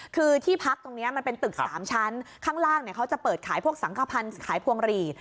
คือที่พักตรงนี้มันเป็นตึก๓ชั้นข้างล่างเขาจะเปิดขายพวกสังขพันธ์ขายพวงหลีด